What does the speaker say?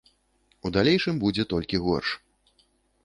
У далейшым будзе толькі горш.